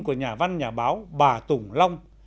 của nhà văn nhà báo bà tùng long